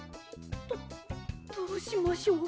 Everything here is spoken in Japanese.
どどうしましょう。